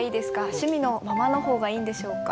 趣味のままの方がいいんでしょうか？